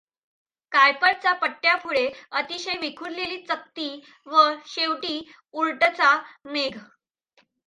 कायपरचा पट्ट्यापुढे अतिशय विखुरलेली चकती व शेवटी ऊर्टचा मेघ.